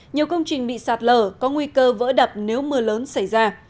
nhiều công trình bị sạt lở có nguy cơ vỡ đập nếu mưa lớn xảy ra